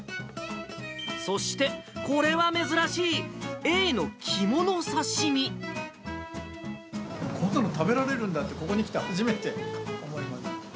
そして、これは珍しい、こんなの食べられるんだって、ここに来て初めて思いました。